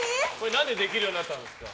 何でできるようになったんですか？